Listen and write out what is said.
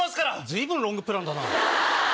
随分ロングプランだな。